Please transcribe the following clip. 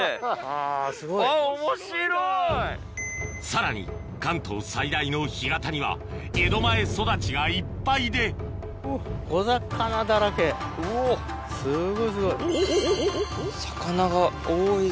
さらに関東最大の干潟には江戸前育ちがいっぱいですごいすごい。